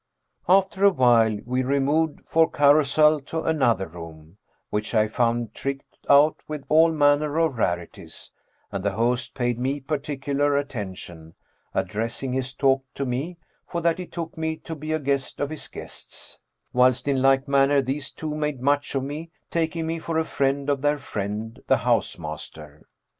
After awhile, we removed for carousel to another room, which I found tricked out with all manner of rarities; and the host paid me particular attention, addressing his talk to me, for that he took me to be a guest of his guests; whilst in like manner these two made much of me, taking me for a friend of their friend the house master.